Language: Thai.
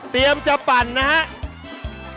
เตรียมจะปั่นนะครับ